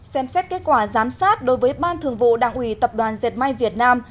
xem xét kết quả giám sát đối với ban thường vụ đảng ủy tập đoàn dệt may việt nam